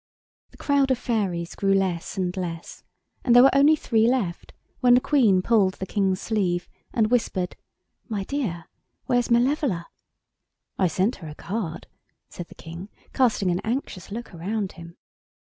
The crowd of fairies grew less and less, and there were only three left when the Queen pulled the King's sleeve and whispered, "My dear, where's Malevola?" "I sent her a card," said the King, casting an anxious look round him.